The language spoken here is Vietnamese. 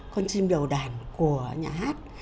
con chim đầu đàn của nhà hát